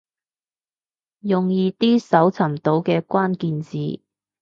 用易啲搜尋到嘅關鍵字